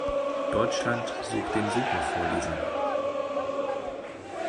Deutschland sucht den Supervorleser!